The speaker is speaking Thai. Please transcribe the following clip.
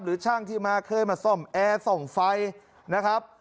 ช่างที่มาเคยมาซ่อมแอร์ส่องไฟนะครับ